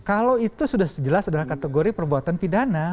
kalau itu sudah jelas adalah kategori perbuatan pidana